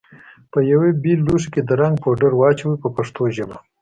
په یوه بېل لوښي کې د رنګ پوډر واچوئ په پښتو ژبه.